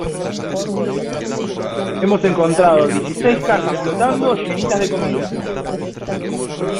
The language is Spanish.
hemos encontrado dieciséis cajas flotando llenitas de comida.